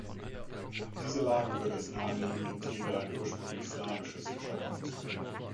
Diese Lage würde es nahelegen, in Tegel ein ursprünglich slawisches Fischerdorf zu sehen.